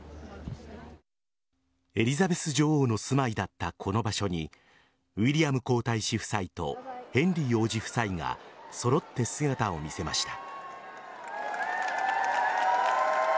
エリザベス女王の住まいだったこの場所にウィリアム皇太子夫妻とヘンリー王子夫妻が揃って姿を見せました。